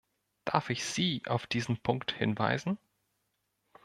Darf ich Sie auf diesen Punkt hinweisen?